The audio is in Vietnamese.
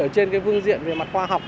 ở trên cái vương diện về mặt khoa học